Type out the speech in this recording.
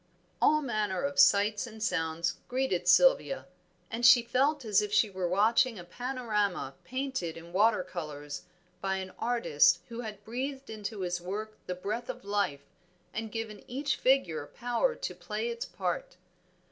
All manner of sights and sounds greeted Sylvia, and she felt as if she were watching a Panorama painted in water colors by an artist who had breathed into his work the breath of life and given each figure power to play its part.